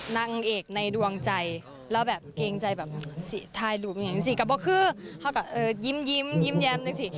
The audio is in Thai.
นางเอกในดวงใจแล้วแบบเกรงใจแบบสิทายดูมสิกระปะคือเขาก็ยิ้มยิ้มยิ้มแย้มนึกสิ